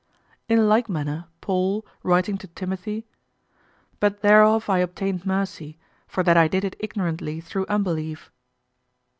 In like manner Paul, writing to Timothy, "But therefore I obtained mercy, for that I did it ignorantly through unbelief."